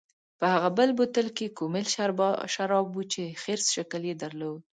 په هغه بل بوتل کې کومل شراب و چې خرس شکل یې درلود.